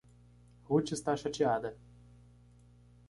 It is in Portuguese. Ruth está chateada.